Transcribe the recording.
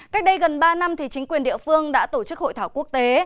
cách đây gần ba năm thì chính quyền địa phương đã tổ chức hội thảo quốc tế